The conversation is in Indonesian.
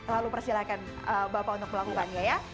lalu persilahkan bapak untuk melakukannya ya